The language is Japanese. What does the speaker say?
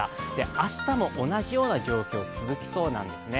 明日も同じような状況続きそうなんですね。